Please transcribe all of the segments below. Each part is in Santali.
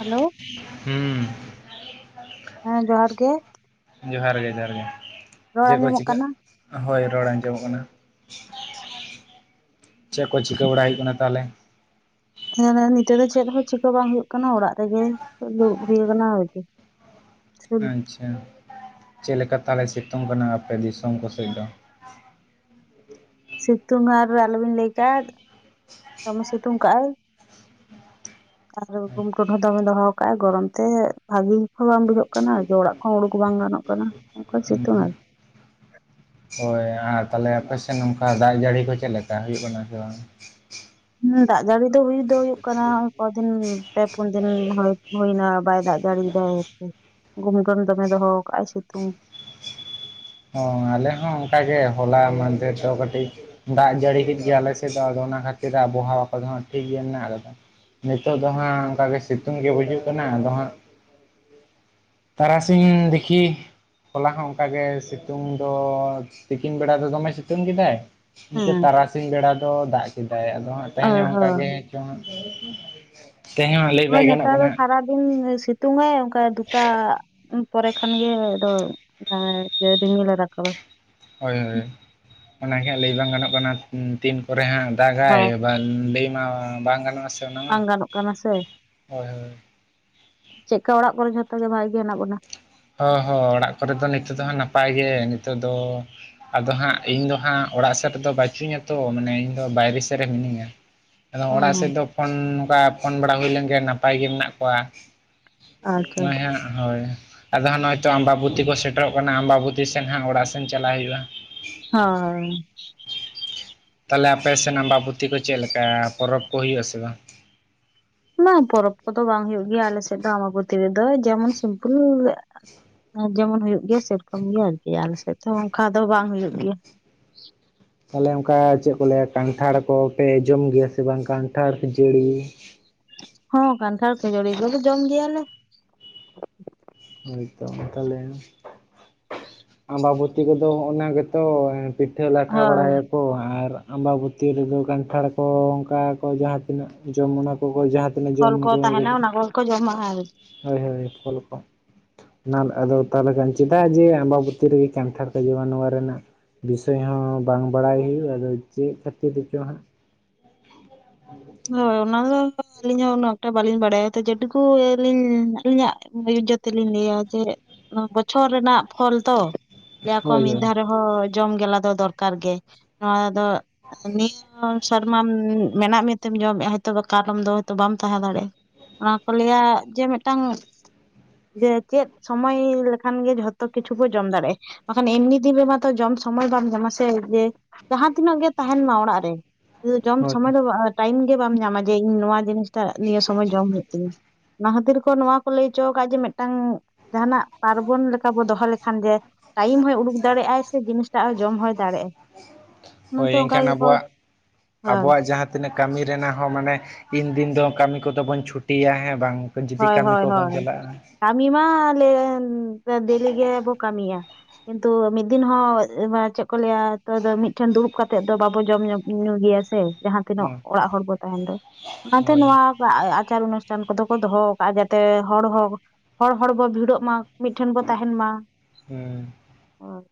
ᱦᱮᱞᱳ ᱦᱩᱸ ᱦᱮᱸ ᱡᱚᱦᱟᱨ ᱜᱮ ᱡᱚᱦᱟᱨ ᱜᱮ ᱡᱚᱦᱟᱨ ᱜᱮ ᱨᱚᱲ ᱡᱮᱛ ᱠᱚ ᱟᱸᱡᱚᱢᱚᱜ ᱪᱤᱠᱟᱹᱜ ᱠᱟᱱᱟ ᱦᱚᱭ ᱨᱚᱲ ᱟᱸᱡᱚᱢᱚᱜ ᱠᱟᱱᱟ ᱟᱪᱪᱷᱟ ᱪᱮᱫ ᱠᱚ ᱪᱤᱠᱟᱹ ᱵᱟᱲᱟᱭ ᱦᱩᱭᱩᱜ ᱠᱟᱱᱟ ᱛᱟᱦᱚᱞᱮ ᱦᱮᱸ ᱱᱤᱛᱚᱜ ᱫᱚ ᱪᱮᱫ ᱦᱚᱸ ᱪᱤᱠᱟ ᱵᱟᱝ ᱦᱩᱭᱩᱜ ᱠᱟᱱᱟ ᱚᱲᱟᱜ ᱨᱮᱜᱮ ᱫᱩᱲᱩᱵ ᱦᱩᱭ ᱟᱠᱟᱱᱟ ᱟᱨᱠᱤ ᱟᱪᱪᱷᱟ ᱪᱮᱫ ᱞᱮᱠᱟ ᱛᱟᱦᱚᱞᱮ ᱥᱤᱛᱩᱝ ᱠᱟᱱᱟ ᱟᱯᱮ ᱫᱤᱥᱚᱢ ᱠᱚᱥᱮᱫ ᱫᱚ ᱥᱤᱛᱩᱝ ᱟᱨ ᱟᱞᱚᱵᱤᱱ ᱞᱟᱹᱭ ᱠᱟᱜᱼᱟ ᱫᱚᱢᱮ ᱥᱤᱛᱩᱝ ᱠᱟᱜᱼᱟᱭ [inaudible] ᱟᱨ ᱜᱩᱢ ᱴᱩᱰ ᱦᱚᱸ ᱫᱚᱢᱮ ᱫᱚᱦᱚ ᱟᱠᱟᱫᱼᱟ ᱜᱚᱨᱚᱢ ᱛᱮ ᱵᱷᱟᱹᱜᱤ ᱦᱚᱸ ᱵᱟᱝ ᱵᱩᱡᱷᱟᱹᱜ ᱠᱟᱱᱟ ᱟᱫᱚ ᱚᱲᱟᱜ ᱦᱳᱲᱩ ᱠᱚ ᱵᱟᱝ ᱜᱟᱱᱚᱜ ᱠᱟᱱᱟ ᱚᱱᱠᱟ ᱥᱤᱛᱩᱝ ᱟᱨᱠᱤ ᱦᱚᱭ ᱟᱨ ᱛᱟᱦᱞᱮ ᱟᱯᱮ ᱥᱮᱫ ᱱᱚᱝᱠᱟ ᱫᱟᱜ ᱡᱟᱹᱲᱤ ᱠᱚ ᱪᱮᱫ ᱞᱮᱠᱟ ᱦᱩᱭᱩᱜ ᱠᱟᱱᱟ ᱥᱮ ᱵᱟᱝ ᱦᱮᱸ ᱫᱟᱜ ᱡᱟᱹᱲᱤ ᱫᱚ ᱦᱩᱭ ᱫᱚ ᱦᱩᱭᱩᱜ ᱠᱟᱱᱟ ᱠᱚᱫᱤᱱ ᱯᱮ ᱯᱩᱱ ᱫᱤᱱ ᱦᱩᱭᱱᱟ ᱵᱟᱭ ᱫᱟᱜ ᱡᱟᱹᱲᱤᱭ ᱫᱟᱭ ᱜᱩᱢ ᱠᱚᱱ ᱫᱚᱢᱮ ᱫᱚᱦᱚ ᱠᱟᱜᱼᱟᱭ ᱥᱤᱛᱩᱝ ᱦᱚᱸ ᱟᱞᱮ ᱦᱚᱸ ᱚᱱᱠᱟᱜᱮ ᱦᱚᱞᱟ ᱢᱟᱦᱫᱷᱮᱨ ᱫᱚ ᱠᱟᱹᱴᱤᱡ ᱫᱟᱜ ᱡᱟᱹᱲᱤ ᱠᱮᱫ ᱜᱮᱭᱟ ᱟᱞᱮ ᱥᱮᱫ ᱫᱚ ᱟᱫᱚ ᱚᱱᱟ ᱠᱷᱟᱹᱛᱤᱨ ᱟᱵᱚᱦᱟᱣᱟ ᱠᱚᱫᱚ ᱦᱟᱸᱜ ᱴᱷᱤᱠ ᱜᱮ ᱢᱮᱱᱟᱜ ᱠᱟᱫᱟ ᱱᱤᱛᱳ ᱫᱚ ᱦᱟᱸᱜ ᱚᱱᱠᱟ ᱜᱮ ᱥᱤᱛᱩᱝ ᱜᱮ ᱵᱩᱡᱩᱜ ᱠᱟᱱᱟ ᱟᱫᱚ ᱦᱟᱸᱜ ᱛᱟᱨᱟᱥᱤᱧ ᱫᱤᱠᱷᱤ ᱦᱚᱞᱟ ᱦᱚᱸ ᱚᱝᱠᱟ ᱜᱮ ᱥᱤ ᱛᱩᱝ ᱫᱚ ᱛᱤᱠᱤᱱ ᱵᱮᱲᱟ ᱫᱚ ᱫᱚᱢᱮ ᱥᱤᱛᱩᱝ ᱠᱮᱫᱟᱭ ᱤᱱᱠᱟᱹ ᱦᱮᱸ ᱛᱟᱨᱟᱥᱤ ᱥᱤᱧ ᱵᱮᱲᱟ ᱫᱚ ᱫᱟᱜ ᱠᱮᱫᱟᱭ ᱟᱫᱚ ᱦᱟᱸᱜ ᱛᱮᱦᱮᱧ ᱚᱝᱠᱟ ᱦᱳᱭ ᱜᱮ ᱪᱚᱝ ᱦᱟᱸᱜ ᱛᱮᱦᱮᱧ ᱦᱚᱸ ᱞᱟᱹᱭ ᱦᱚᱭ ᱵᱟᱭ ᱜᱟᱱᱚᱜ ᱱᱮᱛᱟᱨ ᱠᱟᱱᱟ ᱫᱚ ᱦᱟᱸᱜ ᱥᱟᱨᱟ ᱫᱤᱱ ᱥᱤᱛᱩᱝ ᱟᱭ ᱚᱝᱠᱟᱭ ᱫᱩᱴᱟ ᱯᱚᱨᱮ ᱠᱷᱟᱱ ᱜᱮ ᱟᱫᱚᱭ ᱫᱚᱡᱮ ᱤᱭᱟ ᱨᱤᱢᱤᱞᱮ ᱨᱟᱠᱟᱵᱟᱭ ᱦᱚᱭ ᱦᱚᱭ ᱚᱱᱟᱜᱮ ᱦᱟᱸᱜ ᱞᱟᱹᱭ ᱵᱟᱝ ᱜᱟᱱᱚᱜ ᱠᱟᱱᱟ ᱛᱤᱱ ᱠᱚᱨᱮ ᱦᱟᱸᱜ ᱫᱟᱜᱟᱭ ᱦᱳᱭ ᱵᱟᱝ ᱞᱟᱹᱭ ᱢᱟ ᱵᱟᱝ ᱜᱟᱱᱚᱜᱼᱟᱥᱮ ᱵᱟᱝ ᱜᱟᱱᱚᱜ ᱠᱟᱱᱟ ᱥᱮ ᱦᱳᱭ ᱪᱮᱜᱠᱟ ᱚᱲᱟᱜ ᱠᱚᱨᱮ ᱡᱷᱚᱛᱚ ᱜᱮ ᱵᱷᱟᱜᱮ ᱜᱮ ᱦᱮᱱᱟᱜ ᱵᱚᱱᱟ ᱦᱚᱸ ᱦᱚᱸ ᱚᱲᱟᱜ ᱠᱚᱨᱮ ᱫᱚ ᱱᱤᱛᱚᱜ ᱫᱚ ᱦᱟᱸᱜ ᱱᱟᱯᱟᱭ ᱜᱮ ᱱᱤᱛᱚᱜ ᱫᱚ ᱟᱫᱚ ᱦᱟᱸᱜ ᱤᱧ ᱫᱚ ᱦᱟᱸᱜ ᱚᱲᱟᱜ ᱥᱮᱫ ᱨᱮᱫᱚ ᱵᱟᱪᱩᱧᱟ ᱛᱚ ᱢᱟᱱᱮ ᱤᱧ ᱫᱚ ᱵᱟᱭᱨᱮ ᱥᱮᱜ ᱨᱮ ᱢᱤᱱᱟᱹᱧᱟ [inaudible] ᱟᱫᱚ ᱚᱲᱟᱜ ᱦᱩᱸ ᱥᱮᱫ ᱫᱚ ᱯᱷᱳᱱ ᱱᱚᱝᱠᱟ ᱯᱷᱳᱱ ᱵᱟᱲᱟ ᱦᱳᱭ ᱞᱮᱱᱜᱮᱭᱟ ᱱᱟᱯᱟᱭ ᱜᱮ ᱢᱮᱱᱟᱜ ᱠᱚᱣᱟ ᱟᱪᱪᱷᱟ ᱦᱚᱭ ᱦᱟᱸᱜ ᱦᱚᱭ ᱟᱫᱚ ᱦᱟᱸᱜ ᱱᱚᱜᱼᱚᱭ ᱛᱚ ᱟᱢᱵᱟᱵᱚᱛᱤ ᱠᱚ ᱥᱮᱴᱮᱨᱚᱜ ᱠᱟᱱᱟ ᱟᱢᱵᱟᱵᱚᱛᱤ ᱥᱮᱱ ᱦᱟᱸᱜ ᱚᱲᱟᱜ ᱥᱮᱱ ᱪᱟᱞᱟᱜ ᱦᱩᱭᱩᱜᱼᱟ ᱦᱳᱭ ᱛᱟᱞᱦᱮ ᱟᱯᱮ ᱥᱮᱱ ᱟᱢᱵᱟᱵᱚᱛᱤ ᱠᱚ ᱪᱮᱜᱞᱮᱠᱟ ᱯᱚᱨᱚᱵᱽ ᱠᱚ ᱦᱳᱭᱳᱜᱼᱟᱥᱮ ᱵᱟᱝ ᱵᱟᱝ ᱯᱚᱨᱚᱵᱽ ᱠᱚᱫᱚ ᱵᱟᱝ ᱦᱳᱭᱳᱜ ᱜᱮᱭᱟ ᱟᱞᱮ ᱥᱮᱫ ᱫᱚ ᱟᱢᱵᱟᱵᱚᱛᱤ ᱨᱮᱫᱚ ᱡᱮᱢᱚᱱ ᱥᱤᱢᱯᱩᱞ ᱡᱮᱢᱚᱱ ᱦᱩᱭᱩᱜ ᱜᱮᱭᱟ ᱥᱮᱨᱚᱠᱚᱢ ᱜᱮ ᱟᱨᱠᱤ ᱟᱞᱮᱥᱮᱫ ᱛᱚ ᱚᱱᱠᱟ ᱫᱚ ᱵᱟᱝ ᱦᱳᱭᱳᱜ ᱜᱮᱭᱟ᱾ ᱛᱟᱦᱞᱮ ᱚᱝᱠᱟ ᱪᱮᱫ ᱠᱚ ᱞᱟᱹᱭᱟ ᱠᱟᱱᱴᱷᱟᱲ ᱠᱚᱯᱮ ᱡᱚᱢ ᱜᱮᱭᱟ ᱥᱮ ᱵᱟᱝ ᱠᱟᱱᱴᱷᱟᱲ ᱠᱷᱟᱹᱡᱟᱲᱤ ᱦᱚᱸ ᱠᱟᱱᱴᱷᱟᱲ ᱠᱷᱟᱹᱡᱟᱹᱲᱤ ᱫᱚᱞᱮ ᱡᱚᱢ ᱜᱮᱭᱟ ᱞᱮ ᱦᱚᱭᱛᱚ ᱛᱟᱦᱚᱞᱮ ᱟᱢᱵᱟᱵᱚᱛᱤ ᱠᱚᱫᱚ ᱚᱱᱟ ᱜᱮᱛᱚ ᱯᱤᱴᱷᱟᱹ ᱞᱟᱴᱷᱟ ᱵᱟᱲᱟᱭ [inaudible] ᱟᱢᱵᱟᱵᱚᱛᱤ ᱨᱮᱫᱚ ᱠᱟᱱᱴᱷᱟᱲ ᱠᱚ ᱚᱝᱠᱟ ᱠᱚ ᱡᱟᱦᱟᱸ ᱛᱤᱱᱟᱹᱜ ᱡᱚᱢ ᱚᱱᱟ ᱠᱚ ᱠᱚ ᱡᱟᱦᱟᱸ ᱛᱤᱱᱟᱹᱜ ᱯᱷᱚᱞ ᱡᱚᱢ ᱚᱱᱟ ᱠᱚ ᱛᱟᱦᱮᱱᱟ ᱚᱱᱟ ᱠᱚᱜᱮ ᱠᱚ ᱡᱚᱢᱟ ᱟᱨᱼ ᱦᱳᱭ ᱦᱳᱭ ᱯᱷᱚᱞ ᱠᱚ ᱚᱱᱟ ᱟᱫᱚ ᱛᱟᱦᱚᱞᱮ ᱠᱷᱟᱱ ᱪᱮᱫᱟᱜ ᱡᱮ ᱟᱢᱵᱟᱵᱟᱛᱤ ᱨᱮᱜᱮ ᱠᱟᱱᱴᱷᱟᱲ ᱠᱚ ᱡᱚᱢᱟ ᱱᱚᱣᱟ ᱨᱮᱱᱟᱜ ᱵᱤᱥᱚᱭ ᱦᱚᱸ ᱵᱟᱝ ᱵᱟᱲᱟᱭ ᱦᱩᱭᱩᱜ ᱟᱫᱚ ᱪᱮᱜ ᱠᱷᱟᱹᱛᱤᱨ ᱛᱮᱪᱚ ᱦᱟᱸᱜ ᱾ ᱦᱳᱭ ᱚᱱᱟ ᱫᱚ ᱟᱹᱞᱤᱧ ᱦᱚᱸ ᱩᱱᱟᱹᱜ ᱮᱠᱴᱟ ᱵᱟᱹᱞᱤᱧ ᱵᱟᱲᱟᱭᱟ ᱾ ᱛᱚ ᱡᱮᱴᱩᱠᱩ ᱟᱹᱞᱤᱧ ᱟᱹᱞᱤᱧᱟᱜ ᱟᱹᱭᱩᱡᱚᱛ ᱛᱮᱞᱤᱧ ᱞᱮᱭᱟ ᱡᱮ ᱱᱚᱭᱟ ᱵᱚᱪᱷᱚᱨ ᱨᱮᱱᱟᱜ ᱯᱷᱚᱞ ᱛᱚ ᱞᱮᱭᱟᱠᱚ ᱦᱳᱭ ᱢᱤᱫ ᱦᱳᱭ ᱫᱷᱟᱣ ᱨᱮ ᱦᱚ ᱡᱚᱢ ᱜᱮᱞᱟ ᱫᱚ ᱫᱚᱨᱠᱟᱨ ᱜᱮ ᱱᱚᱣᱟ ᱫᱚ ᱱᱤᱭᱟᱹ ᱥᱮᱨᱢᱟᱢ ᱢᱮᱱᱟᱜ ᱢᱮ ᱛᱮᱢ ᱡᱚᱢᱮᱜᱼᱟ ᱦᱚᱭ ᱛᱚ ᱵᱟ ᱠᱟᱞᱚᱢ ᱫᱚᱭ ᱦᱚᱭᱛᱚ ᱵᱟᱢ ᱛᱟᱦᱮᱸ ᱫᱟᱲᱮᱭᱟᱜᱼᱟ ᱾ ᱚᱱᱟ ᱠᱚ ᱞᱟᱹᱭᱟ ᱡᱮ ᱢᱮᱫᱴᱟᱝ ᱡᱮ ᱪᱮᱫ ᱥᱚᱢᱚᱭ ᱞᱮᱠᱷᱟᱱ ᱜᱮ ᱡᱷᱚᱛᱚ ᱠᱤᱪᱷᱩ ᱵᱚ ᱡᱚᱢ ᱫᱟᱲᱮᱜ ᱵᱟᱠᱷᱟᱱ ᱮᱢᱱᱤ ᱫᱤᱱ ᱨᱮᱢᱟᱛᱚ ᱡᱚᱢ ᱥᱚᱢᱚᱭ ᱵᱟᱢ ᱧᱟᱢᱟ ᱥᱮ ᱡᱮ ᱡᱟᱦᱟᱸ ᱛᱤᱱᱟᱹᱜ ᱜᱮ ᱛᱟᱦᱮᱱ ᱢᱟ ᱚᱲᱟᱜ ᱨᱮ ᱡᱚᱢ ᱦᱳᱭ ᱥᱚᱢᱚᱭ ᱫᱚ ᱵᱟᱢ ᱴᱟᱭᱤᱢ ᱜᱮ ᱵᱟᱢ ᱧᱟᱢᱟ ᱡᱮ ᱤᱧ ᱱᱚᱣᱟ ᱡᱤᱱᱤᱥ ᱴᱟᱜ ᱱᱤᱭᱟᱹ ᱥᱚᱢᱚᱭ ᱡᱚᱢ ᱦᱩᱭᱩᱜ ᱛᱤᱧᱟᱹ ᱾ ᱚᱱᱟ ᱠᱷᱟᱹᱛᱤᱨ ᱠᱚ ᱱᱚᱣᱟ ᱠᱚ ᱞᱮᱭ ᱦᱚᱪᱚ ᱠᱟᱜᱼᱟ ᱡᱮ ᱢᱮᱫᱴᱟᱝ ᱡᱟᱦᱟᱱᱟᱜ ᱯᱟᱨᱵᱚᱱ ᱞᱮᱠᱟ ᱵᱚ ᱫᱚᱦᱚ ᱞᱮᱠᱷᱟᱱ ᱡᱮ ᱴᱟᱭᱤᱢ ᱦᱚᱭ ᱩᱰᱩᱠ ᱫᱟᱲᱮᱭᱟᱜ ᱟᱭ ᱥᱮ ᱡᱤᱱᱤᱥᱴᱟᱜ ᱦᱚᱸ ᱡᱚᱢ ᱦᱚᱭ ᱫᱟᱲᱮᱭᱟᱜ ᱟᱭ ᱾ ᱦᱳᱭ ᱮᱝᱠᱷᱟᱱ ᱟᱵᱚᱣᱟᱜ, ᱦᱳᱭ ᱟᱵᱚᱣᱟᱜ ᱡᱟᱦᱟᱸ ᱛᱤᱱᱟᱹᱜ ᱠᱟᱹᱢᱤ ᱨᱮᱱᱟᱜ ᱦᱚᱸ ᱢᱟᱱᱮ ᱤᱱ ᱫᱤᱱ ᱫᱚ ᱠᱟᱹᱢᱤ ᱠᱚᱫᱚ ᱵᱚᱱ ᱪᱷᱩᱴᱤᱭᱟ ᱦᱮᱸ ᱵᱟᱝ? ᱡᱩᱫᱤ ᱦᱳᱭ ᱠᱟᱹᱢᱤ ᱦᱳᱭ ᱠᱚᱵᱚᱱ ᱦᱳᱭ ᱪᱟᱞᱟᱜᱼᱟ ᱾ ᱠᱟᱹᱢᱤ ᱢᱟ ᱟᱞᱮ ᱰᱮᱞᱤ ᱜᱮᱵᱚ ᱠᱟᱹᱢᱤᱭᱟ ᱠᱤᱱᱛᱩ ᱢᱤᱫ ᱫᱤᱱ ᱦᱚᱸ ᱢᱟᱱᱮ ᱪᱮᱫᱻ ᱠᱚ ᱞᱮᱭᱟ ᱛᱚ ᱫᱚ ᱢᱤᱫᱴᱷᱮᱱ ᱫᱩᱲᱩᱵ ᱠᱟᱛᱮᱫ ᱫᱚ ᱵᱟᱵᱚ ᱡᱚᱢ ᱧᱩ ᱧᱩ ᱜᱮᱭᱟ ᱥᱮ ᱡᱟᱦᱟᱸ ᱛᱤᱱᱟᱹᱜ ᱚᱲᱟᱜ ᱦᱚᱲ ᱠᱚ ᱛᱟᱦᱮᱱ ᱨᱮᱦᱚ ᱾ ᱚᱱᱟᱛᱮ ᱦᱳᱭ ᱱᱚᱣᱟ ᱵᱟᱜ ᱟᱪᱟᱨ ᱚᱱᱩᱥᱴᱷᱟᱱ ᱠᱚᱫᱚ ᱠᱚ ᱫᱚᱦᱚ ᱠᱟᱜᱼᱟ ᱾ ᱡᱟᱛᱮ ᱦᱚᱲ ᱦᱚᱸ ᱦᱚᱲ ᱦᱚᱲ ᱵᱚ ᱵᱷᱤᱲᱚᱜ ᱢᱟ ᱢᱤᱫᱴᱷᱮᱱ ᱵᱚ ᱛᱟᱦᱮᱱ ᱢᱟ ᱦᱩᱸ ᱾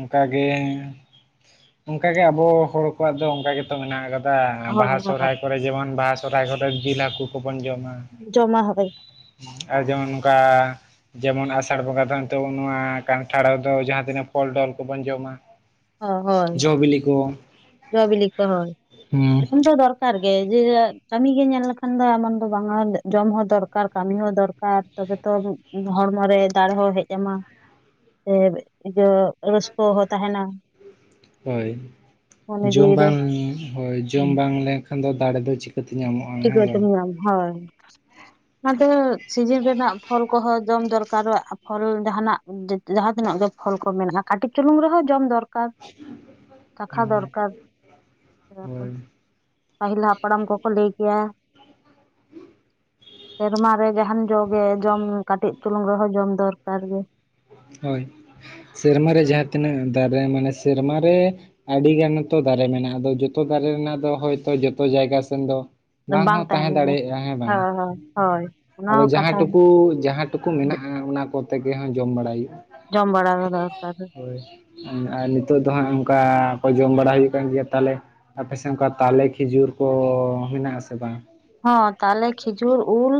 ᱚᱝᱠᱟᱜᱮ, ᱚᱝᱠᱟᱜᱮ ᱟᱵᱚ ᱦᱚᱲ ᱠᱚᱣᱟᱜ ᱫᱚ ᱚᱝᱠᱟᱜᱮ ᱛᱚ ᱢᱮᱱᱟᱜ ᱟᱠᱟᱫᱟ ᱾ ᱵᱟᱦᱟ ᱦᱳᱭ ᱥᱚᱦᱚᱨᱟᱭ ᱠᱚᱨᱮ ᱡᱮᱢᱚᱱ ᱵᱟᱦᱟ ᱥᱚᱨᱦᱟᱭ ᱠᱚᱨᱮ ᱡᱤᱞ ᱦᱟᱹᱠᱩ ᱠᱚᱵᱚᱱ ᱡᱚᱢᱟ ᱡᱚᱢᱟ ᱦᱚᱵᱮ ᱟᱨ ᱡᱮᱢᱚᱱ ᱱᱚᱝᱠᱟ ᱡᱮᱢᱚᱱ ᱟᱥᱟᱲ ᱵᱚᱸᱜᱟ ᱫᱚ ᱱᱤᱛᱚᱜ ᱱᱚᱣᱟ ᱠᱟᱱᱴᱷᱟᱲ ᱫᱚ ᱡᱟᱦᱟᱸ ᱛᱤᱱᱟᱹᱜ ᱯᱷᱚᱞ ᱰᱚᱞ ᱠᱚᱵᱚᱱ ᱡᱚᱢᱟ, ᱦᱳᱭ ᱡᱚ ᱵᱤᱞᱤ ᱠᱚ ᱡᱚ ᱵᱤᱞᱤ ᱠᱚ ᱦᱳᱭ ᱾ ᱦᱩᱸ ᱡᱚᱢ ᱫᱚ ᱫᱚᱨᱠᱟᱨ ᱫᱚᱨᱠᱟᱨ ᱜᱮ ᱡᱮ ᱠᱟᱹᱢᱤ ᱜᱮ ᱧᱮᱞ ᱞᱮᱠᱷᱟᱱ ᱫᱚ ᱮᱢᱚᱱ ᱫᱚ ᱵᱟᱝᱟ ᱡᱚᱢ ᱦᱚᱸ ᱫᱚᱨᱠᱟᱨ ᱠᱟᱹᱢᱤ ᱦᱚᱸ ᱫᱚᱨᱠᱟᱨ ᱛᱚᱵᱮ ᱛᱚ ᱦᱚᱲᱢᱚ ᱨᱮ ᱫᱟᱲᱮ ᱦᱚᱸ ᱦᱮᱡ ᱟᱢᱟ ᱥᱮ ᱤᱭᱟᱹ ᱨᱟᱹᱥᱠᱟᱹ ᱦᱚᱸ ᱛᱟᱦᱮᱱᱟ ᱾ ᱦᱳᱭ ᱡᱚᱢ ᱡᱤᱣᱤ ᱨᱮ ᱵᱟᱝ ᱦᱳᱭ ᱡᱚᱢ ᱵᱟᱝ ᱞᱮᱱᱠᱷᱟᱱ ᱼᱮᱠᱷᱟᱱ ᱫᱟᱲᱮ ᱫᱚ ᱪᱤᱠᱟᱹ ᱛᱮ ᱧᱟᱢᱚᱜᱼᱟ ᱾ ᱪᱤᱠᱟᱹ ᱛᱮᱢ ᱧᱟᱢ ᱦᱳᱭ ᱚᱱᱟᱫᱚ ᱥᱤᱡᱤᱱ ᱨᱮᱱᱟᱜ ᱯᱷᱚᱞ ᱠᱚᱦᱚᱸ ᱡᱚᱢ ᱫᱚᱨᱠᱟᱨᱚᱜᱼᱟ ᱯᱷᱚᱞ ᱡᱟᱦᱟᱱᱟᱜ ᱡᱟᱦᱟᱸ ᱛᱤᱱᱟᱹᱜ ᱜᱮ ᱯᱷᱚᱞ ᱠᱚ ᱢᱮᱱᱟᱜᱼᱟ ᱾ ᱠᱟᱹᱴᱤᱡ ᱪᱩᱞᱩᱝ ᱨᱮᱦᱚᱸ ᱡᱚᱢ ᱫᱚᱨᱠᱟᱨ, ᱪᱟᱠᱷᱟ ᱫᱚᱨᱠᱟᱨ ᱦᱳᱭ ᱯᱟᱹᱦᱤᱞ ᱦᱟᱯᱲᱟᱢ ᱠᱚᱠᱚ ᱞᱟᱹᱭ ᱜᱮᱭᱟ ᱥᱮᱨᱢᱟ ᱨᱮ ᱡᱟᱦᱟᱱ ᱡᱚᱜᱮ ᱡᱚᱢ ᱠᱟᱹᱴᱤᱡ ᱪᱩᱞᱩᱝ ᱨᱮᱦᱚᱸ ᱡᱚᱢ ᱫᱚᱨᱠᱟᱨ ᱜᱮ ᱦᱳᱭ ᱥᱮᱨᱢᱟᱨ ᱨᱮ ᱡᱟᱦᱟᱸ ᱛᱤᱱᱟᱹᱜ ᱫᱟᱨᱮ ᱢᱟᱱᱮ ᱥᱮᱨᱢᱟᱨ ᱨᱮ ᱟᱹᱰᱤᱜᱟᱱ ᱦᱚᱛᱚ ᱫᱟᱨᱮ ᱢᱮᱱᱟᱜᱼᱟ ᱟᱫᱚ ᱡᱚᱛᱚ ᱫᱟᱨᱮ ᱨᱮᱱᱟᱜ ᱫᱚ ᱦᱚᱭᱛᱳ ᱡᱚᱛᱚ ᱡᱟᱭᱜᱟ ᱥᱮᱱ ᱫᱚ ᱵᱟᱝ ᱦᱚᱸ ᱛᱟᱦᱮᱱ ᱛᱟᱦᱮᱸ ᱜᱮ ᱫᱟᱲᱮᱭᱟᱜᱼᱟ ᱦᱮᱸ ᱵᱟᱝ? ᱦᱳᱭ ᱦᱳᱭ ᱦᱳᱭ ᱚᱱᱟ ᱟᱫᱚ ᱦᱚᱸ ᱡᱟᱦᱟᱸ ᱠᱟᱛᱷᱟ ᱴᱩᱠᱩ ᱡᱟᱦᱟᱸ ᱴᱩᱠᱩ ᱢᱮᱱᱟᱜᱼᱟ ᱚᱱᱟ ᱠᱚᱛᱮᱜᱮ ᱦᱚᱸ ᱡᱚᱢ ᱵᱟᱲᱟᱭ ᱦᱩᱭᱩᱜᱼᱟ ᱾ ᱡᱚᱢ ᱵᱟᱲᱟ ᱫᱚ ᱫᱚᱨᱠᱟᱨ ᱾ ᱦᱳᱭ ᱟᱨ ᱱᱤᱛᱳᱜ ᱫᱚ ᱦᱟᱸᱜ ᱚᱝᱠᱟ ᱠᱚ ᱡᱚᱢ ᱵᱟᱲᱟ ᱦᱩᱭᱩᱜ ᱠᱟᱱ ᱜᱮᱭᱟ ᱛᱟᱦᱚᱞᱮ ᱟᱯᱮ ᱥᱮᱜ ᱚᱱᱠᱟ ᱛᱟᱞᱮ ᱠᱷᱤᱡᱩᱨ ᱠᱚ ᱢᱮᱱᱟᱜ ᱟᱥᱮ ᱵᱟᱝ? ᱦᱚᱸ ᱛᱟᱞᱮ ᱠᱷᱤᱡᱩᱨ ᱩᱞ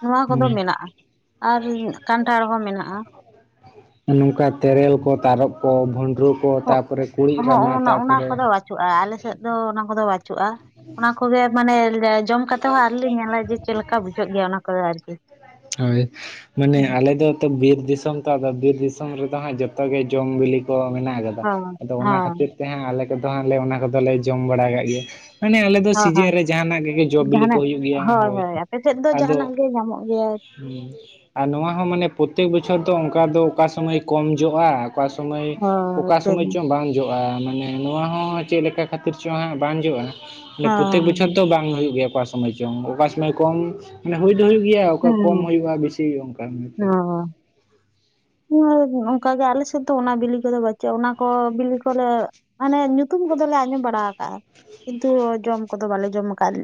ᱱᱚᱣᱟ ᱠᱚᱫᱚ ᱦᱩᱸ ᱢᱮᱱᱟᱜᱼᱟ᱾ ᱟᱨ ᱠᱟᱱᱴᱷᱟᱲ ᱦᱚᱸ ᱢᱮᱱᱟᱜᱼᱟ᱾ ᱱᱚᱝᱠᱟ ᱛᱮᱨᱮᱞ ᱠᱚ ᱛᱟᱨᱚᱚᱵ ᱠᱚ ᱵᱷᱩᱸᱰᱨᱟᱹ ᱠᱚ ᱛᱟᱨᱯᱚᱨᱮ ᱠᱩᱲᱤᱜ ᱨᱟᱢᱟ ᱛᱟᱨᱯᱚᱨᱮ ᱵᱟᱪᱩᱜᱼᱟ ᱟᱞᱮ ᱥᱮᱫ ᱫᱚ ᱚᱱᱟ ᱠᱚᱫᱚ ᱵᱟᱹᱪᱩᱜᱼᱟ ᱚᱱᱟ ᱠᱚᱜᱮ ᱢᱟᱱᱮ ᱡᱚᱢ ᱠᱟᱛᱮ ᱦᱚᱸ ᱟᱣᱨᱤᱞᱮ ᱧᱟᱢ ᱡᱮ ᱪᱮᱫ ᱞᱮᱠᱟ ᱵᱩᱡᱷᱟᱹᱜ ᱜᱮᱭᱟ ᱚᱱᱟ ᱠᱚᱫᱚ ᱟᱨᱠᱤ ᱦᱳᱭ ᱢᱟᱱᱮ ᱟᱞᱮ ᱫᱚ ᱛᱚ ᱵᱤᱨ ᱫᱤᱥᱚᱢ ᱛᱚ ᱟᱫᱚ ᱵᱤᱨ ᱫᱤᱥᱚᱢ ᱨᱮᱫᱚ ᱦᱟᱸᱜ ᱡᱚᱛᱚ ᱜᱮ ᱡᱚᱢ ᱵᱤᱞᱤ ᱠᱚ ᱢᱮᱱᱟᱜ ᱟᱠᱟᱫᱟ᱾ ᱦᱚᱸ ᱟᱫᱚ ᱚᱱᱟ ᱦᱮᱸ ᱠᱷᱟᱹᱛᱤᱨ ᱛᱮ ᱦᱟᱸᱜ ᱟᱞᱮ ᱠᱚᱫᱚ ᱦᱟᱜᱞᱮ ᱚᱱᱟ ᱠᱚᱫᱚᱞᱮ ᱡᱚᱢ ᱵᱟᱲᱟ ᱠᱟᱜ ᱜᱮᱭᱟ ᱢᱟᱱᱮ ᱟᱞᱮ ᱫᱚ ᱦᱚᱸ ᱥᱤᱡᱤᱱ ᱦᱚᱸ ᱨᱮ ᱡᱟᱦᱟᱱᱟᱜ ᱜᱮ ᱡᱚ ᱵᱤᱞᱤ ᱠᱚ ᱡᱟᱦᱟᱱᱟᱜ ᱦᱩᱭᱩᱜ ᱜᱮᱭᱟ ᱦᱳᱭ ᱟᱯᱮ ᱥᱮᱫ ᱫᱚ ᱟᱫᱚ ᱡᱟᱦᱟᱱᱟᱜ ᱜᱮ ᱧᱟᱢᱚᱜ ᱜᱮᱭᱟ ᱦ ᱟᱨ ᱱᱚᱣᱟ ᱦᱚᱸ ᱢᱟᱱᱮ ᱯᱨᱚᱛᱮᱠ ᱵᱚᱪᱷᱚᱨ ᱫᱚ ᱚᱱᱠᱟ ᱫᱚ ᱚᱠᱟ ᱥᱩᱚᱢᱟᱹᱭ ᱠᱚᱢ ᱡᱚᱜᱼᱟ ᱚᱠᱟ ᱥᱢᱚᱭ ᱦᱳᱭ ᱚᱠᱟ ᱦᱳᱭ ᱥᱳᱢᱚᱭ ᱪᱚᱝ ᱵᱟᱝ ᱡᱚᱜᱼᱟ ᱢᱟᱱᱮ ᱱᱚᱣᱟ ᱦᱚᱸ ᱪᱮᱫ ᱞᱮᱠᱟ ᱠᱷᱟᱹᱛᱤᱨ ᱪᱚᱦᱟᱜ ᱵᱟᱝ ᱡᱚᱜᱼᱟ ᱢᱟᱱᱮ ᱯᱨᱚᱛᱮᱠ ᱵᱚᱪᱷᱚᱨ ᱫᱚ ᱵᱟᱝ ᱵᱟᱝ ᱦᱩᱭᱩᱜ ᱜᱮᱭᱟ ᱚᱠᱟ ᱥᱚᱢᱚᱭ ᱪᱚᱝ ᱚᱠᱟ ᱥᱚᱢᱚᱭ ᱠᱚᱢ ᱢᱟᱱᱮ ᱦᱩᱭ ᱫᱚ ᱦᱩᱭᱩᱜ ᱦᱩᱭᱩᱜ ᱜᱮᱭᱟ ᱚᱠᱟ ᱠᱚᱢ ᱦᱮᱸ ᱦᱩᱭᱩᱜᱼᱟ ᱵᱤᱥᱤ ᱦᱩᱭᱩᱜᱼᱟ ᱚᱱᱠᱟ ᱵᱮᱯᱟᱨ ᱦᱮ ᱚᱱᱠᱟ ᱜᱮ ᱟᱞᱮ ᱥᱮᱫ ᱛᱚ ᱚᱱᱟ ᱵᱤᱞᱤ ᱠᱚᱫᱚ ᱵᱟᱟᱹᱪᱩᱜᱼᱟ ᱚᱱᱟ ᱠᱚ ᱵᱤᱞᱤ ᱠᱚᱞᱮ ᱢᱟᱱᱮ ᱧᱩᱛᱩᱢ ᱠᱚᱫᱚᱞᱮ ᱟᱸᱡᱚᱢ ᱵᱟᱲᱟ ᱟᱠᱟᱜᱼᱟ ᱠᱤᱱᱛᱩ ᱡᱚᱢ ᱠᱚᱫᱚ ᱵᱟᱞᱮ ᱡᱚᱢ ᱟᱠᱟᱫ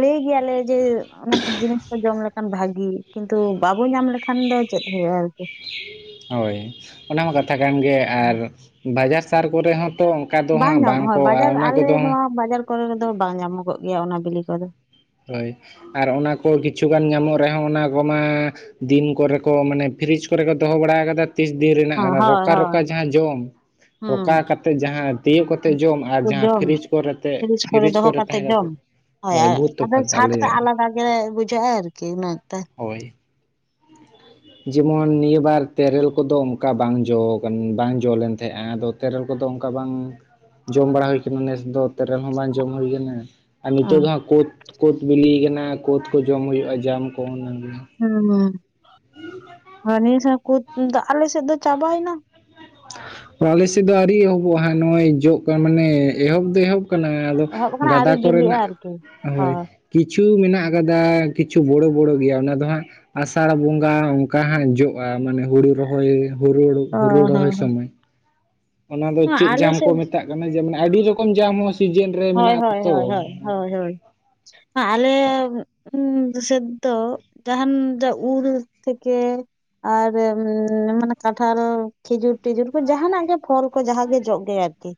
ᱞᱟᱹᱭ ᱜᱮᱭᱟᱞᱮ ᱡᱮ ᱚᱱᱟ ᱡᱤᱱᱤᱥ ᱠᱚ ᱡᱚᱢ ᱞᱮᱠᱷᱟᱱ ᱵᱷᱟᱜᱤ ᱠᱤᱱᱛᱩ ᱵᱟᱵᱚ ᱧᱟᱢ ᱞᱮᱠᱷᱟᱱ ᱫᱚ ᱪᱮᱫ ᱦᱩᱭᱩᱜᱼᱟ ᱟᱨᱠᱤ ᱦᱳᱭ ᱚᱱᱟ ᱢᱟ ᱠᱟᱛᱷᱟ ᱠᱟᱱ ᱜᱮ ᱟᱨ ᱵᱟᱡᱟᱨ ᱥᱟᱨ ᱠᱚᱨᱮ ᱦᱚᱸᱛᱚ ᱫᱚ ᱵᱟᱝ ᱦᱟᱸᱜ ᱧᱟᱢᱚᱜ ᱦᱳᱭ ᱠᱚ ᱵᱟᱡᱟᱨ ᱟᱨ ᱚᱱᱟ ᱟᱞᱮ ᱠᱚᱫᱚ ᱱᱚᱣᱟ ᱵᱟᱡᱟᱨ ᱠᱚᱨᱮᱫᱚ ᱵᱟᱝ ᱧᱟᱢᱚᱜᱚᱜ ᱜᱮᱭᱟ ᱚᱱᱟ ᱵᱤᱞᱤ ᱠᱚᱫᱚ ᱦᱳᱭ ᱟᱨ ᱚᱱᱟ ᱠᱚ ᱠᱤᱪᱷᱩᱜᱟᱱ ᱧᱟᱢᱚᱜ ᱨᱮᱦᱚᱸ ᱚᱱᱟ ᱠᱚᱢᱟ ᱫᱤᱱ ᱠᱚᱨᱮ ᱠᱚ ᱢᱟᱱᱮ ᱯᱷᱨᱤᱡᱽ ᱠᱚᱨᱮ ᱠᱚ ᱫᱚᱦᱚ ᱵᱟᱲᱟ ᱟᱠᱟᱫᱟ ᱛᱤᱥ ᱫᱤᱱ ᱨᱮᱱᱟᱜ ᱦᱮᱸ ᱠᱟᱱᱟ ᱦᱳᱭ ᱨᱚᱠᱟ ᱨᱚᱠᱟ ᱦᱳᱭ ᱡᱟᱦᱟᱸ ᱡᱚᱢ ᱦᱩᱸ ᱨᱚᱠᱟ ᱠᱟᱛᱮᱫ ᱡᱟᱦᱟᱸ ᱛᱤᱭᱳᱜ ᱠᱟᱛᱮ ᱡᱚᱢ ᱟᱨ ᱛᱚ ᱡᱟᱦᱟᱸ ᱡᱚᱢ ᱯᱷᱤᱨᱤᱡᱽ ᱠᱚᱨᱮᱛᱮ ᱯᱷᱤᱨᱤᱡ ᱯᱷᱤᱨᱤᱡᱽ ᱫᱚᱦᱚ ᱠᱚᱨᱮ ᱠᱟᱛᱮᱜ ᱛᱟᱦᱮᱸ ᱠᱟᱛᱮ ᱡᱚᱢ ᱦᱳᱭ ᱟᱫᱚ ᱥᱟᱛᱴᱟ ᱟᱞᱟᱫᱟ ᱜᱮ ᱵᱩᱡᱷᱟᱹᱜᱼᱟ ᱟᱨᱠᱤ ᱩᱱᱟᱹ ᱛᱮ ᱦᱳᱭ ᱡᱮᱢᱚᱱ ᱱᱤᱭᱟᱹ ᱵᱟᱨ ᱛᱮᱨᱮᱞ ᱠᱚᱫᱚ ᱚᱱᱠᱟ ᱵᱟᱝ ᱡᱚ ᱵᱟᱝ ᱡᱚ ᱞᱮᱱ ᱛᱟᱦᱮᱸᱜᱼᱟ ᱟᱫᱚ ᱛᱮᱨᱮᱞ ᱠᱚᱫᱚ ᱚᱱᱠᱟ ᱵᱟᱝ ᱡᱚᱢ ᱵᱟᱲᱟ ᱦᱩᱭ ᱟᱠᱟᱱᱟ ᱱᱮᱥ ᱫᱚ ᱵᱮᱨᱮᱞ ᱦᱚᱸ ᱵᱟᱝ ᱡᱚᱢ ᱦᱩᱭᱟᱱᱟ ᱟᱨ ᱱᱤᱛᱚᱜ ᱦᱩᱸ ᱫᱚ ᱦᱟᱸᱜ ᱠᱳᱫ ᱠᱩᱳᱫᱽ ᱵᱤᱞᱤᱭ ᱟᱠᱟᱱᱟ ᱠᱩᱳᱫᱽ ᱠᱚ ᱡᱚᱢ ᱦᱩᱭᱩᱜᱼᱟ ᱡᱟᱢ ᱠᱚ ᱚᱱᱟᱱᱟᱜ ᱦᱩᱸ ᱦᱩᱸ ᱟᱨ ᱟᱞᱮ ᱥᱮᱫ ᱫᱚ ᱪᱟᱵᱟᱭᱮᱱᱟ ᱾ ᱟᱞᱮ ᱥᱮᱫ ᱫᱚ ᱟᱹᱣᱨᱤ ᱮᱦᱚᱵᱚᱜᱼᱟ ᱦᱟᱸᱜ ᱱᱚᱜᱼᱚᱭ ᱡᱚᱜ ᱠᱟᱱ ᱢᱟᱱᱮ ᱮᱦᱚᱵ ᱮᱦᱚᱵ ᱟᱫᱚ ᱮᱦᱚᱵ ᱟᱠᱟᱱᱟ ᱜᱟᱰᱟ ᱟᱹᱣᱨᱤ ᱵᱤᱞᱤᱜᱼᱟ ᱠᱚᱨᱮᱱᱟᱜ ᱟᱨᱠᱤ ᱚ ᱦᱳᱭ ᱠᱤᱪᱷᱩ ᱢᱮᱱᱟᱜ ᱟᱠᱟᱫᱟ ᱠᱤᱪᱷᱩ ᱵᱚᱲᱚ ᱵᱚᱲᱚ ᱜᱮᱭᱟ ᱚᱱᱟ ᱫᱚ ᱦᱟᱸᱜ ᱟᱥᱟᱲ ᱵᱚᱸᱜᱟ ᱚᱱᱠᱟ ᱚᱱᱠᱟ ᱦᱟᱸᱜ ᱡᱚᱜᱼᱟ ᱢᱟᱱᱮ ᱦᱩᱲᱩ ᱨᱚᱦᱚᱭ ᱦᱩᱲᱩ ᱚ ᱦᱩᱲᱩ ᱦᱚᱸ ᱨᱚᱦᱚᱭ ᱦᱚᱸ ᱥᱚᱢᱚᱭ ᱚᱱᱟ ᱫᱚ ᱦᱮᱸ ᱪᱮᱫ ᱟᱞᱮ ᱡᱟᱢ ᱠᱚ ᱥᱮᱫ ᱢᱮᱛᱟᱜ ᱠᱟᱱᱟ ᱡᱮ ᱢᱟᱱᱮ ᱟᱹᱰᱤ ᱨᱚᱠᱚᱢ ᱡᱟᱢ ᱦᱚᱸ ᱥᱤᱡᱮᱱ ᱨᱮ ᱦᱳᱭ ᱢᱮᱱᱟᱜ ᱦᱳᱭ ᱟᱛᱚ ᱦᱳᱭ ᱦᱳᱭ ᱦᱳᱭ ᱦᱳᱭ ᱟᱞᱮ ᱥᱮᱫ ᱫᱚ ᱡᱟᱦᱟᱱ ᱡ ᱩᱞ ᱛᱷᱮᱠᱮ ᱟᱨ ᱢᱟᱱᱮ ᱠᱟᱴᱷᱟᱞ ᱠᱷᱤᱡᱩᱨ ᱴᱤᱡᱩᱨ ᱠᱚ ᱡᱟᱦᱟᱱᱟᱜ ᱜᱮ ᱯᱷᱚᱞ ᱡᱟᱦᱟ ᱜᱮ ᱟᱨᱠᱤ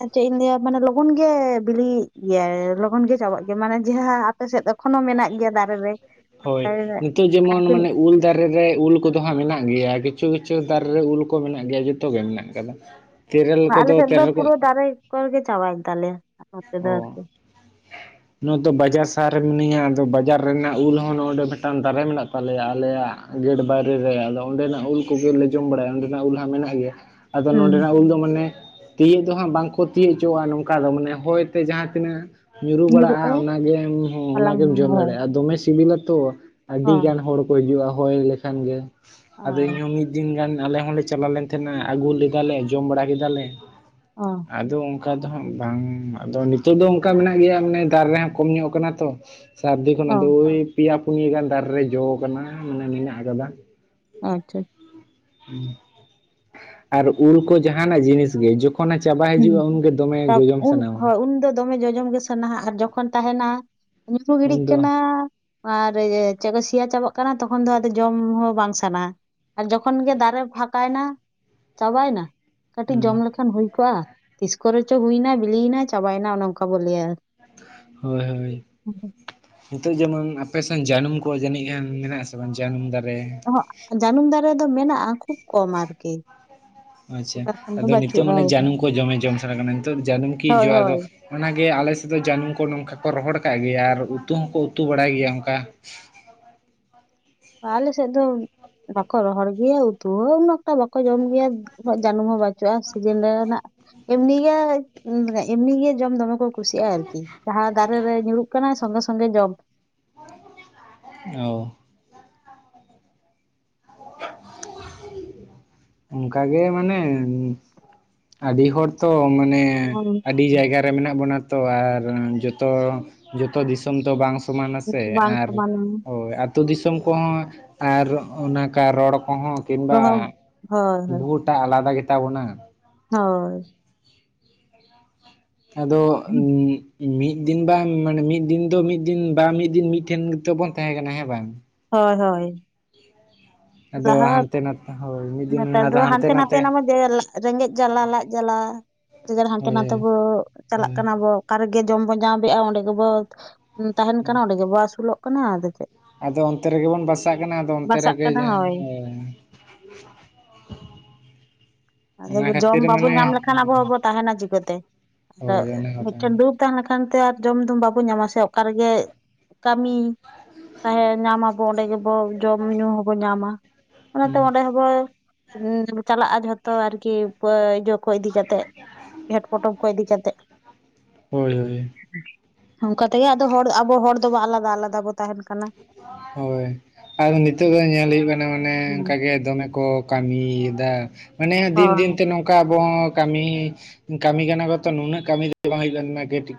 ᱪᱮᱫ ᱤᱧ ᱞᱟᱹᱭᱟ ᱢᱮ ᱞᱚᱜᱚᱱ ᱜᱮ ᱵᱤᱞᱤᱜ ᱜᱮᱭᱟᱭ ᱞᱚᱜᱚᱱ ᱜᱮ ᱪᱟᱵᱟᱜ ᱜᱮᱭᱟ ᱢᱟᱱᱮ ᱡᱟᱦᱟᱸ ᱟᱯᱮ ᱥᱮᱫ ᱮᱠᱷᱚᱱᱦ ᱢᱮᱱᱟᱜ ᱜᱮᱭᱟ ᱫᱟᱨᱮ ᱨᱮ ᱦᱳᱭ ᱟᱨ ᱱᱤᱛᱚᱜ ᱡᱮᱢᱚᱱ ᱟᱨᱠᱤ ᱢᱟᱱᱮ ᱩᱞ ᱫᱟᱨᱮ ᱨᱮ ᱩᱞ ᱠᱚᱫᱚ ᱦᱟᱸ ᱢᱮᱱᱟᱜ ᱜᱮᱭᱟ ᱠᱤᱪᱷᱩ ᱠᱤᱪᱷᱩ ᱫᱟᱨᱮ ᱨᱮ ᱩᱞ ᱠᱚ ᱢᱮᱱᱟᱜ ᱜᱮᱭᱟ ᱡᱚᱛᱚ ᱜᱮ ᱢᱮᱱᱟᱜ ᱟᱠᱟᱫᱟ ᱾ ᱟᱞᱮᱥᱮᱫ ᱫᱚ ᱯᱩᱨᱟᱹ ᱫᱟᱨᱮ ᱠᱚᱨᱮᱜ ᱜᱮ ᱪᱟᱵᱟᱭᱮᱱ ᱛᱟᱞᱮᱭᱟ ᱾ ᱚ ᱱᱚᱣᱟ ᱫᱚ ᱵᱟᱡᱟᱨ ᱥᱟᱦᱟᱨ ᱨᱮ ᱢᱤᱱᱟᱹᱧᱟ ᱟᱫᱚ ᱵᱟᱡᱟᱨ ᱨᱮᱱᱟᱜ ᱩᱞ ᱦᱚᱸ ᱱᱚᱰᱮ ᱢᱤᱫᱴᱟᱝ ᱫᱟᱨᱮ ᱢᱮᱱᱟᱜ ᱛᱟᱞᱮᱭᱟ ᱟᱞᱮᱭᱟᱜ ᱜᱮᱴ ᱵᱟᱭᱨᱮ ᱨᱮ ᱟᱫᱚ ᱚᱸᱰᱮᱱᱟᱜ ᱩᱞ ᱠᱚᱜᱮᱞᱮ ᱡᱚᱢ ᱵᱟᱲᱟᱭᱟ ᱚᱸᱰᱮᱱᱟᱜ ᱩᱞ ᱦᱟᱸᱜ ᱢᱮᱱᱟᱜ ᱜᱮᱭᱟ ᱾ ᱟᱫᱚ ᱦᱩᱸ ᱱᱚᱸᱰᱮᱱᱟᱜ ᱩᱞ ᱫᱚ ᱢᱟᱱᱮ ᱛᱤᱭᱳᱜ ᱫᱚ ᱦᱟᱸᱜ ᱵᱟᱝᱠᱚ ᱛᱤᱭᱳᱜ ᱦᱚᱪᱚᱣᱟᱜᱼᱟ ᱱᱚᱝᱠᱟ ᱫᱚ ᱢᱟᱱᱮ ᱦᱚᱭ ᱛᱮ ᱡᱟᱦᱟᱸ ᱛᱤᱱᱟᱹᱜ ᱣᱩᱨᱩ ᱵᱟᱲᱟᱜᱼᱟ ᱧᱩᱨᱩᱜᱼᱟ ᱚᱱᱟᱜᱮᱢ ᱦᱟᱞᱟᱝ ᱚᱱᱟᱜᱮᱢ ᱡᱚᱢ ᱦᱚᱸ ᱫᱟᱲᱮᱭᱟᱜᱼᱟ ᱫᱚᱢᱮ ᱥᱤᱵᱤᱞᱟᱛᱚ ᱟᱹᱰᱤ ᱜᱟᱱ ᱦᱚᱲ ᱠᱚ ᱦᱤᱡᱩᱜᱼᱟ ᱦᱚᱭ ᱞᱮᱠᱷᱟᱱ ᱜᱮ ᱟᱫᱚ ᱤᱧᱦᱚᱸ ᱢᱤᱫ ᱢᱤᱫ ᱫᱤᱱ ᱜᱟᱱ ᱟᱞᱮ ᱦᱚᱸᱞᱮ ᱪᱟᱞᱟᱣ ᱞᱮᱱ ᱛᱟᱦᱮᱱᱟ ᱟᱹᱜᱩ ᱞᱮᱫᱟᱞᱮ ᱡᱚᱢ ᱵᱟᱲᱟ ᱠᱮᱫᱟᱞᱮ ᱚ ᱟᱫᱚ ᱚᱱᱠᱟ ᱫᱚ ᱦᱟᱜ ᱵᱟᱝ ᱟᱫᱚ ᱱᱤᱛᱳ ᱫᱚ ᱚᱱᱠᱟ ᱢᱮᱱᱟᱜ ᱜᱮᱭᱟ ᱢᱟᱱᱮ ᱫᱟᱨᱮ ᱦᱚᱸ ᱠᱚᱢ ᱧᱚᱜ ᱟᱠᱟᱱᱟ ᱛᱚ ᱥᱟᱹᱨᱫᱤ ᱠᱷᱚᱱ ᱚ ᱟᱫᱚ ᱳᱭ ᱯᱮᱭᱟ ᱯᱩᱱᱭᱟᱹ ᱜᱟᱱ ᱫᱟᱨᱮ ᱨᱮ ᱡᱚ ᱠᱟᱱᱟ ᱢᱟᱱᱮ ᱢᱮᱱᱟᱜ ᱟᱠᱟᱫᱟ ᱟᱪᱪᱷᱟ ᱟᱨ ᱩᱞ ᱠᱚ ᱡᱟᱦᱟᱱᱟᱜ ᱡᱤᱱᱤᱥ ᱜᱮ ᱡᱚᱠᱷ... ᱠᱷᱚᱱ ᱮ ᱪᱟᱵᱟ ᱦᱤᱡᱩᱜᱼᱟ ᱦᱩᱸ ᱩᱱᱜᱮ ᱫᱚᱢᱮ ᱛᱟᱵ ᱡᱚᱡᱚᱢ ᱩᱱ ᱥᱟᱱᱟᱣᱟ ᱦᱳᱭ ᱩᱱᱫᱚ ᱫᱚᱢᱮ ᱡᱚᱡᱚᱢ ᱜᱮ ᱥᱟᱱᱟᱣᱟ ᱟᱨ ᱡᱚᱠᱷᱚᱱ ᱛᱟᱦᱮᱱᱟ ᱣᱩᱨᱩ ᱜᱤᱰᱤᱜ ᱩᱱᱫᱚ ᱠᱟᱱᱟ ᱟᱨ ᱪᱮᱫ ᱠᱚ ᱥᱮᱭᱟ ᱪᱟᱵᱟᱜ ᱠᱟᱱᱟ ᱛᱚᱠᱷᱚᱱ ᱫᱚ ᱟᱫᱚ ᱡᱚᱢ ᱦᱚᱸ ᱵᱟᱝ ᱥᱟᱱᱟᱣᱟ ᱟᱨ ᱡᱚᱠᱷᱚᱱ ᱜᱮ ᱫᱟᱨᱮ ᱯᱷᱟᱠᱟᱭ ᱮᱱᱟ ᱪᱟᱵᱟᱭ ᱮᱱᱟ ᱠᱟᱹᱴᱤᱡ ᱡᱚᱢ ᱦᱩᱸ ᱞᱮᱠᱷᱟᱱ ᱦᱩᱭ ᱠᱚᱜᱼᱟ ᱛᱤᱥ ᱠᱚᱨᱮᱪᱚ ᱦᱩᱭᱱᱟ ᱵᱤᱞᱤᱭᱮᱱᱟ ᱪᱟᱵᱟᱭᱮᱱᱟ ᱚᱱᱮ ᱝᱠᱟ ᱵᱚ ᱞᱟᱹᱭᱟ ᱦᱳᱭ ᱦᱳᱭ ᱱᱤᱛᱚᱜ ᱡᱮᱢᱚᱱ ᱟᱯᱮᱥᱮᱱ ᱡᱟᱹᱱᱩᱢ ᱠᱚ ᱡᱟᱹᱱᱤᱡ ᱜᱟᱱ ᱢᱮᱱᱟᱜ ᱟᱥᱮ ᱵᱟᱝ ᱡᱟᱹᱱᱩᱢ ᱫᱟᱨᱮ ᱦᱚᱸᱜ ᱡᱟᱹᱱᱩᱢ ᱫᱟᱨᱮ ᱫᱚ ᱢᱮᱱᱟᱜᱼᱟ ᱠᱷᱩᱵ ᱠᱚᱢ ᱟᱨᱠᱤ ᱟᱪᱪᱷᱟ ᱵᱟᱠᱷᱟᱱ ᱫᱚ ᱟᱫᱚ ᱱᱤᱛᱚᱜ ᱵᱟᱹᱪᱩᱜᱼᱟ ᱢᱟᱱᱮ ᱟᱨᱠᱤ ᱡᱟᱹᱱᱩᱢ ᱠᱚ ᱫᱚᱢᱮ ᱡᱚᱢ ᱥᱟᱱᱟ ᱠᱟᱱᱟ ᱱᱤᱛᱚᱜ ᱡᱟᱹᱱᱩᱢ ᱠᱤ ᱦᱳᱭ ᱡᱚ ᱟ ᱫᱚ ᱦᱳᱭ ᱚᱱᱟᱜᱮ ᱟᱞᱮ ᱥᱮᱫ ᱫᱚ ᱡᱟᱹᱱᱩᱢ ᱠᱚ ᱱᱚᱝᱠᱟ ᱠᱚ ᱨᱚᱦᱚᱲ ᱠᱟᱜ ᱜᱮᱭᱟ ᱟᱨ ᱩᱛᱩ ᱦᱚᱸᱠᱚ ᱩᱛᱩ ᱵᱟᱲᱟᱭ ᱜᱮᱭᱟ ᱚᱱᱠᱟ ᱟᱞᱮᱥᱮᱫ ᱫᱚ ᱵᱟᱠᱚ ᱨᱚᱦᱚᱲ ᱜᱮᱭᱟ ᱩᱛᱩ ᱦᱚᱸ ᱩᱱᱟᱹᱴᱟ ᱵᱟᱠᱚ ᱡᱚᱢ ᱜᱮᱭᱟ ᱩᱱᱟᱹᱜ ᱡᱟᱹᱱᱩᱢ ᱦᱚᱸ ᱵᱟᱹᱪᱩᱜᱼᱟ ᱥᱤᱡᱤᱱ ᱨᱮᱱᱟᱜ ᱮᱢᱱᱤ ᱜᱮ ᱢᱟᱱᱮ ᱮᱢᱱᱤ ᱜᱮ ᱡᱚᱢ ᱫᱚᱢᱮ ᱠᱚ ᱠᱩᱥᱤᱜ ᱟᱭ ᱟᱨᱠᱤ ᱡᱟᱦᱟᱸ ᱫᱟᱨᱮ ᱨᱮ ᱧᱩᱨᱩᱜ ᱠᱟᱱᱟᱭ ᱥᱚᱸᱜᱮ ᱥᱚᱸᱜᱮ ᱡᱚᱢ ᱚ [inaudible] ᱚᱝᱠᱟ ᱜᱮ ᱢᱟᱱᱮ ᱟᱰᱤ ᱦᱚᱲ ᱛᱚ ᱢᱟᱱᱮ ᱮᱸ ᱦᱩᱸ ᱟᱹᱰᱤ ᱡᱟᱭᱜᱟ ᱨᱮ ᱢᱮᱱᱟᱜ ᱵᱚᱱᱟ ᱛᱚ ᱟᱨ ᱡᱚᱛᱚ, ᱡᱚᱛᱚ ᱫᱤᱥᱚᱢ ᱫᱚ ᱵᱟᱝ ᱥᱚᱢᱟᱱᱟ ᱦᱩᱸ ᱥᱮ ᱵᱟᱝ ᱟᱨ ᱥᱚᱢᱟᱱᱟ ᱦᱚᱭ ᱟᱛ... ᱛᱩ ᱫᱤᱥᱚᱢ ᱠᱚᱦᱚᱸ ᱟᱨ ᱚᱱᱟᱠᱟ ᱨᱚᱲ ᱠᱚᱦᱚᱸ ᱠᱤᱢᱵᱟ ᱦᱳᱭ ᱦᱳᱭ ᱵᱷᱩ ᱢᱟᱜ ᱟᱞᱟᱫᱟ ᱜᱮ ᱛᱟᱰᱚᱱᱟ ᱦᱳᱭ ᱟᱫᱚ ᱩᱸᱻ... ᱢᱤᱫ ᱫᱤᱱ ᱵᱟᱝ ᱢᱟᱱᱮ ᱢᱤᱫ ᱫᱤᱱ ᱫᱚ ᱢᱤᱫ ᱫᱤᱱ ᱵᱟᱝ ᱢᱤᱫ ᱫᱤᱱ ᱢᱤᱫᱴᱷᱮᱱ ᱜᱤᱛᱚ ᱵᱚᱱ ᱛᱟᱦᱮᱸ ᱠᱟᱱᱟ ᱦᱮᱸ ᱵᱟᱝ ᱦᱳᱭ ᱦᱳᱭ ᱟᱫᱚ ᱡᱟᱦᱟᱸ ᱦᱟᱱᱛᱮ ᱱᱷᱟᱛᱮ ᱱᱮᱛᱟᱨ ᱫᱚ ᱦᱟᱱᱛᱮ ᱱᱷᱟᱛᱮ ᱮᱱᱟ ᱰᱚ ᱡᱮ ᱨᱮᱸᱜᱮᱡ ᱡᱟᱞᱟ ᱞᱟᱡ ᱡᱟᱞᱟ ᱡᱮ ᱡᱟᱨ ᱦᱟᱱᱛᱮ ᱱᱷᱟᱛᱮ ᱦᱳᱭ ᱵᱚ ᱪᱟᱞᱟᱜ ᱦᱳᱭ ᱠᱟᱱᱟ ᱵᱚ ᱚᱠᱟ ᱨᱮᱜᱮ ᱡᱚᱢ ᱵᱚ ᱧᱟᱢᱮᱜ-ᱟ ᱚᱸᱰᱮ ᱜᱮᱵᱚ ᱛᱟᱦᱮᱱ ᱠᱟᱱᱟ ᱚᱸᱰᱮ ᱜᱮᱵᱚ ᱟᱹᱥᱩᱞᱚᱜ ᱠᱟᱱᱟ ᱟᱫᱚ ᱪᱮᱫ ᱟᱫᱚ ᱚᱱᱛᱮ ᱨᱮᱜᱮ ᱵᱚᱱ ᱵᱟᱥᱟᱜ ᱠᱟᱱᱟ ᱟᱫᱚ ᱚᱱᱛᱮ ᱵᱟᱥᱟᱜ ᱨᱮᱜᱮ ᱠᱟᱱᱟ ᱡᱟᱦᱟᱸ ᱦᱳᱭ [unintelligible] ᱟᱫᱚ ᱵᱚᱱ ᱡᱚᱢ ᱠᱷᱟᱹᱛᱤᱨ ᱵᱟᱵᱚ ᱢᱟᱱᱮ ᱧᱟᱢ ᱞᱮᱠᱷᱟᱱ ᱟᱵᱚ ᱦᱚᱵᱚ ᱛᱟᱦᱮᱱᱟ ᱪᱤᱠᱟᱹᱛᱮ ᱦᱳᱭ ᱚᱱᱟ ᱠᱟᱛᱷᱟ ᱢᱤᱫᱴᱮᱱ ᱫᱩᱠ ᱛᱟᱦᱮᱸ ᱞᱮᱠᱷᱟᱱ ᱛᱮ ᱟᱨ ᱡᱚᱢ ᱫᱚ ᱵᱟᱵᱚᱱ ᱧᱟᱢᱟ ᱥᱮ ᱚᱠ ᱨᱮᱜᱮ ᱠᱟᱹᱢᱤ ᱛᱟᱦᱮᱸ ᱧᱟᱢ ᱟᱵᱚ ᱚᱸᱰᱮ ᱜᱮᱵᱚ ᱡᱚᱢ ᱧᱩ ᱦᱚᱵᱚ ᱧᱟᱢᱟ ᱚᱱᱟᱛᱮ ᱠᱟᱱᱟ ᱚᱸᱰᱮ ᱦᱚᱸᱵᱚ [unintelligible] ᱪᱟᱞᱟᱜ-ᱟ ᱡᱷᱚᱛᱚ ᱟᱨᱠᱤ ᱯᱟᱹ ᱡᱚ ᱠᱚ ᱤᱫᱤ ᱠᱟᱛᱮᱫ ᱜᱷᱮᱴ ᱯᱚᱴᱚᱢ ᱠᱚ ᱤᱫᱤ ᱠᱟᱛᱮᱫ ᱦᱳᱭ ᱦᱳᱭ ᱚᱝᱠᱟ ᱛᱮᱜᱮ ᱟᱫᱚ ᱦᱚᱲ ᱟᱵᱚ ᱦᱚᱲ ᱫᱚ ᱵᱚ ᱟᱞᱟᱫᱟ ᱟᱞᱟᱫᱟ ᱵᱚ ᱛᱟᱦᱮᱱ ᱠᱟᱱᱟ ᱦᱳᱭ ᱟᱨ ᱱᱤᱛᱳᱜ ᱫᱚ ᱧᱮᱞ ᱦᱩᱭᱩᱜ ᱠᱟᱱᱟ ᱢᱟᱱᱮ ᱦᱮᱸ ᱚᱝᱠᱟᱜᱮ ᱫᱚᱢᱮ ᱠᱚ ᱠᱟᱢᱤ ᱭᱮᱫᱟ ᱢᱟᱱᱮ ᱫᱤᱱ ᱦᱳᱭ ᱫᱤᱱ ᱛᱮ ᱱᱚ ᱚᱱᱠᱟ ᱟᱵᱚ ᱦᱚᱸ ᱠᱟᱢᱤ ᱠᱟᱢᱤ ᱠᱟᱱᱟ ᱠᱚᱛ ᱱᱩᱱᱟᱹᱜ ᱠᱟᱢᱤ ᱵᱟᱝ ᱦᱩᱭ [unintelligible]